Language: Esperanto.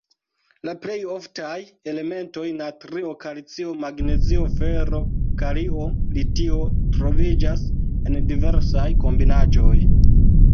La plej oftaj elementoj natrio, kalcio, magnezio, fero, kalio, litio troviĝas en diversaj kombinaĵoj.